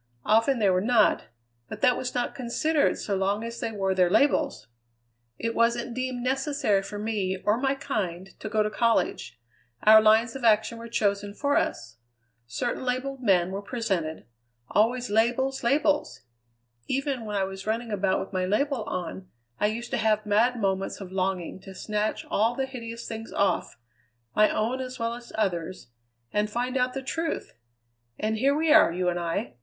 Often they were not, but that was not considered so long as they wore their labels. It wasn't deemed necessary for me, or my kind, to go to college: our lines of action were chosen for us. Certain labelled men were presented; always labels, labels! Even when I was running about with my label on I used to have mad moments of longing to snatch all the hideous things off my own as well as others and find out the truth! And here we are, you and I!